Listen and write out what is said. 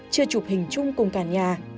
chưa chụp hình chung cùng cả nhà